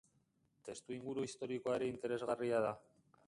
Testuinguru historikoa ere interesgarria da.